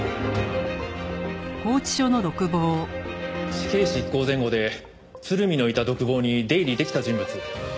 死刑執行前後で鶴見のいた独房に出入りできた人物？